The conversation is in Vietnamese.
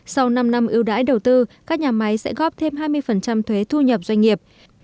sau năm năm ưu đãi đầu tư các nhà máy sẽ góp thêm hai mươi thuế thu nhập doanh nghiệp